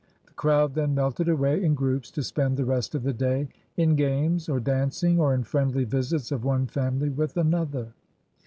The crowd then melted away in groups to spend the rest of the day in games or dancing or in friendly visits of one family with another.